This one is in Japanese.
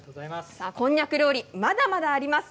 こんにゃく料理まだまだあります。